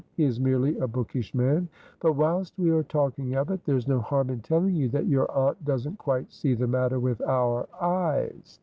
He is merely a bookish man. But, whilst we are talking of it, there's no harm in telling you that your aunt doesn't quite see the matter with our eyes.